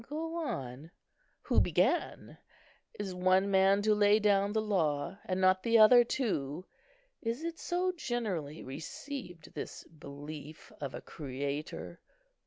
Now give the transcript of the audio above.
" 'Go on!' who began? Is one man to lay down the law, and not the other too? Is it so generally received, this belief of a Creator?